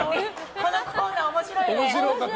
このコーナー面白いね。